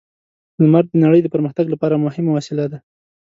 لمر د نړۍ د پرمختګ لپاره مهمه وسیله ده.